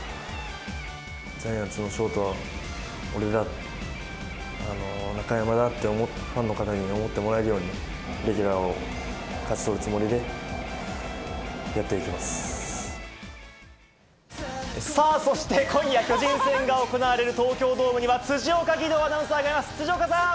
ジャイアンツのショートは俺だ、中山だってファンの方に思ってもらえるように、レギュラーを勝ちさあ、そして今夜、巨人戦が行われる東京ドームには、辻岡義堂アナウンサーがいます、辻岡さん。